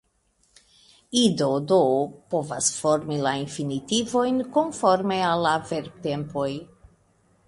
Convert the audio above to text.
Ido do povas formi la infinitivojn konforme al la verbtempoj.